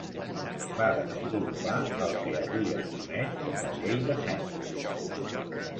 Va desenvolupar el que avui es coneix com la llei de Henry.